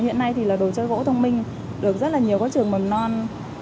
hiện nay thì là đồ chơi gỗ thông minh được rất là nhiều các trường mầm non